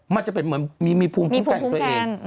มันจะเป็นเหมือนมีภูมิคุ้มกันของตัวเอง